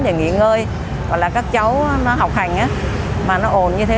để nghỉ ngơi hoặc là các cháu nó học hành á mà nó ồn như thế